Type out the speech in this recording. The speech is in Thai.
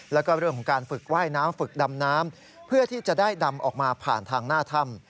แล้วก็เรื่องของการฝึกว่ายน้ำฝึกดำน้ำเพื่อที่จะได้ดำออกมาผ่านทางหน้าถ้ำ